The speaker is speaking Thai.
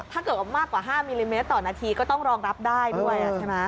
ถ้าเกิดมากกว่า๕มิลลิเมตรต่อนาทีก็ต้องรองรับได้ด้วยใช่ไหม